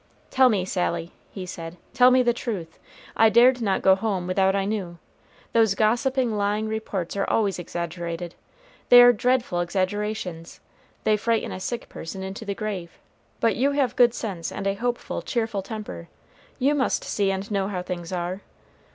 "Tell me, Sally," he said, "tell me the truth. I dared not go home without I knew. Those gossiping, lying reports are always exaggerated. They are dreadful exaggerations, they frighten a sick person into the grave; but you have good sense and a hopeful, cheerful temper, you must see and know how things are.